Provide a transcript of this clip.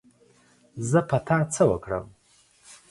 زه په تا څه وکړم